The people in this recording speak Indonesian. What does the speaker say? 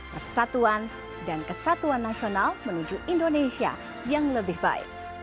persatuan dan kesatuan nasional menuju indonesia yang lebih baik